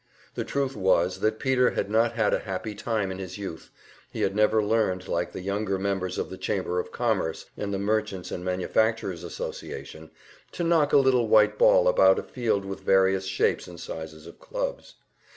The truth was that Peter had not had a happy time in his youth, he had never learned, like the younger members of the Chamber of Commerce and the Merchants' and Manufacturers' Association, to knock a little white ball about a field with various shapes and sizes of clubs.